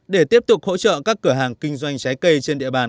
để tiếp tục hỗ trợ các cửa hàng kinh doanh trái cây trên địa bàn